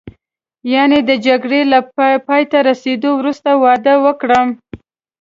یعنې د جګړې له پایته رسېدو وروسته واده وکړم.